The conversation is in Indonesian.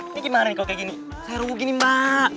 ini gimana nih kalau kayak gini saya ruu gini mbak